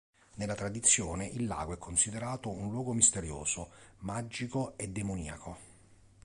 Nella tradizione il lago è considerato un luogo misterioso, magico e demoniaco.